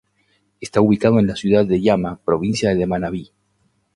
Está ubicado en la ciudad de Jama, provincia de Manabí.